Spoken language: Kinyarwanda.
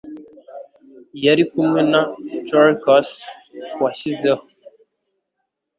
yari kumwe na Chalcas washyizeho